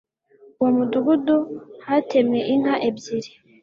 uwo mudugudu hatemwe inka ebyiri.